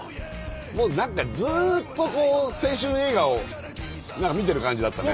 もう何かずっと青春映画を見てる感じだったね。